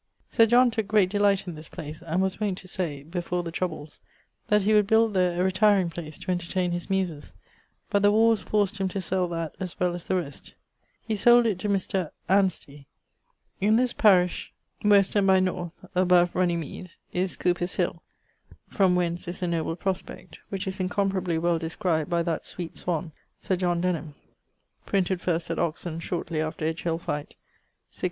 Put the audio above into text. Sir John tooke great delight in this place, and was wont to say (before the troubles) that he would build there a retiring place to entertaine his muses; but the warres forced him to sell that as well as the rest. He sold it to Mr. ... Anstey. In this parish W. and by N. (above Runney Meade) is Cowper's Hill, from whence is a noble prospect, which is incomparably well described by that sweet swan, Sir John Denham; printed first at Oxon shortly after Edghill fight, 1642/3.